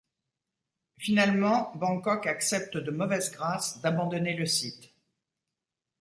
Finalement, Bangkok accepte de mauvaise grâce d’abandonner le site.